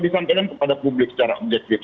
disampaikan kepada publik secara objektif